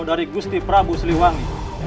dari gusti prabu siliwangi